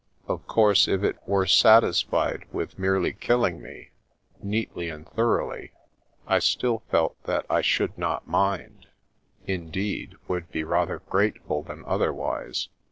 Of course, if it were satisfied with merely killing me, neatly and thor oughly, I still felt that I should not mind ; indeed, would be rather grateful than otherwise.